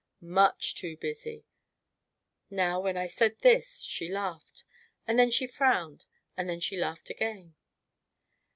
"Much too busy!" Now, when I said this, she laughed, and then she frowned, and then she laughed again.